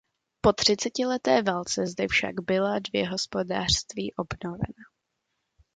Po třicetileté válce zde však byla dvě hospodářství obnovena.